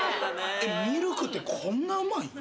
えっミルクってこんなうまいん？